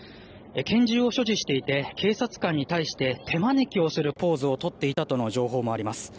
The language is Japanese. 拳銃を所持していて警察官に対して手招きをするポーズをとっていたとの情報もあります。